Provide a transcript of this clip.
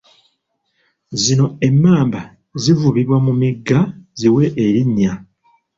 Zino emmamba zivubibwa mu migga ziwe erinnya.